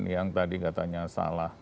yang tadi katanya salah